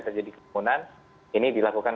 terjadi kemungkinan ini dilakukan